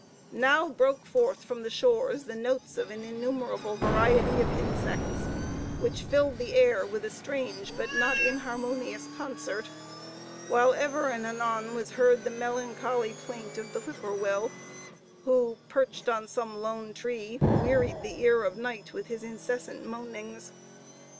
Now broke forth from the shores the notes of an innumerable variety of insects, which filled the air with a strange but not inharmonious concert; while ever and anon was heard the melancholy plaint of the whip poor will, who, perched on some lone tree, wearied the ear of night with his incessant moanings.